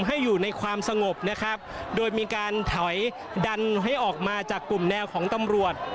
ให้อยู่ในความสงบนะครับโดยมีการถอยดันให้ออกมาจากกลุ่มแนวของตำรวจ